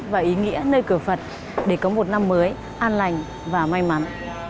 và ý nghĩa nơi cửa phật để có một năm mới an lành và may mắn